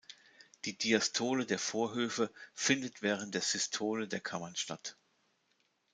Die Diastole der Vorhöfe findet während der Systole der Kammern statt.